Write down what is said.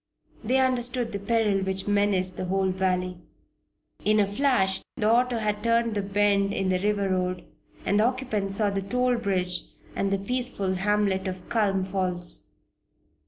They understood the peril which menaced the whole valley. In a flash the auto had turned the bend in the river road, and the occupants saw the toll bridge and the peaceful hamlet of Culm Falls.